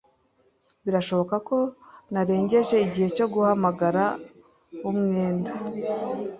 Birashoboka ko narengeje igihe cyo guhamagara umwenda